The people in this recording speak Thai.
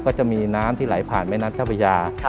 ก็จะมีน้ำที่ไหลผ่านแม่น้ำเจ้าพระยา